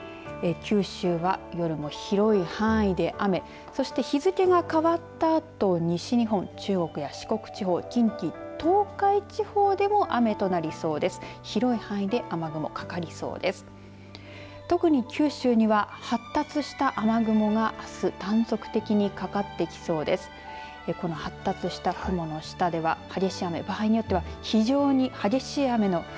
九州は夜も広い範囲で雨そして日付が変わったあと西日本、中国や四国地方、近畿東海地方でも雨となりそうです。